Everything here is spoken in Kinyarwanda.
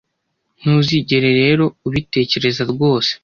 ntuzigere rero ubitekereza rwose